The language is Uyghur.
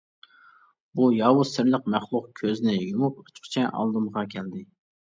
بۇ ياۋۇز سىرلىق مەخلۇق كۆزنى يۇمۇپ ئاچقۇچە ئالدىمغا كەلدى.